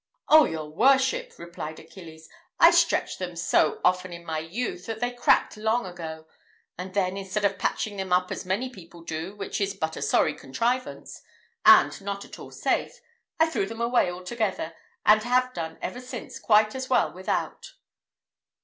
"Oh, your worship!" replied Achilles, "I stretched them so often in my youth, that they cracked long ago; and then, instead of patching them up as many people do, which is but a sorry contrivance, and not at all safe, I threw them away altogether, and have done ever since quite as well without."